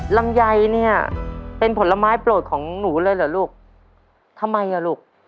ลำไยเนี่ยเป็นผลไม้โปรดของหนูเลยเหรอลูกทำไมอ่ะลูก